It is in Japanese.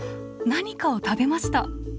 何かを食べました。